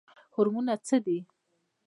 هورمونونه څه دي؟